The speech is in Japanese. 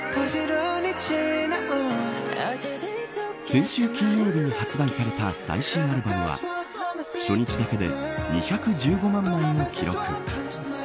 先週金曜日に発売された最新アルバムは初日だけで２１５万枚を記録。